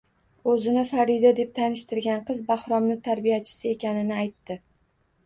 O`zini Farida deb tanishtirgan qiz Bahromni tarbiyachisi ekanini aytdi